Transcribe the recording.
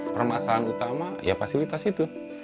permasalahan utama ya fasilitas itu